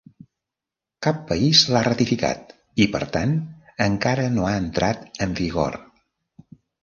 Cap país l'ha ratificat i per tant encara no ha entrat en vigor.